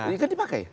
ini kan dipakai